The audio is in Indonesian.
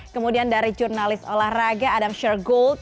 kemudian dari jurnalis olahraga adam shergold